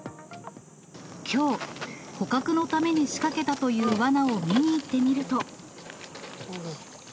きょう、捕獲のために仕掛けたというわなを見に行ってみると。